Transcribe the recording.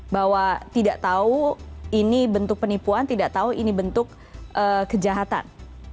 bahwa tidak tahu ini bentuk penipuan tidak tahu ini bentuk kejahatan